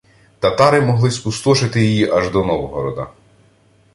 Татари могли спустошити її аж до Новгорода